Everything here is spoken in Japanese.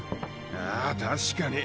ああ確かに。